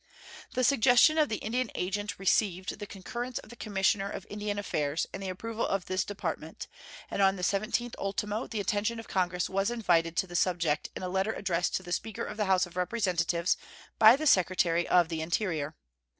The suggestion of the Indian agent received the concurrence of the Commissioner of Indian Affairs and the approval of this Department, and on the 17th ultimo the attention of Congress was invited to the subject in a letter addressed to the Speaker of the House of Representatives by the Secretary of the Interior.